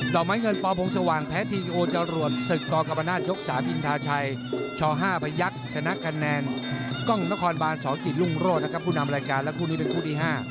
อกไม้เงินปพงสว่างแพ้ทีโอจรวดศึกกกรรมนาศยก๓อินทาชัยช๕พยักษ์ชนะคะแนนกล้องนครบานสกิจรุ่งโรธนะครับผู้นำรายการและคู่นี้เป็นคู่ที่๕